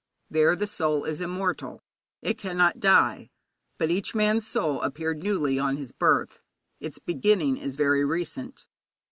There the soul is immortal; it cannot die, but each man's soul appeared newly on his birth. Its beginning is very recent.